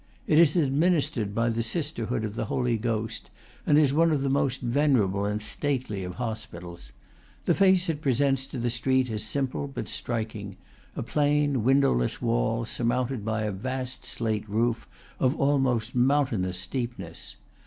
It is ad ministered by the sisterhood of the Holy Ghost, and is one of the most venerable and stately of hospitals. The face it presents to the street is simple, but strik ing, a plain, windowless wall, surmounted by a vast slate roof, of almost mountainous steepness.